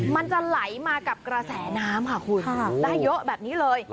มันจะไหลมากับกระแสน้ำค่ะคุณได้เยอะแบบนี้เลย